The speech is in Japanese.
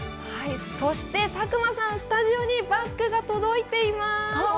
そして、佐久間さん、スタジオにバッグが届いています。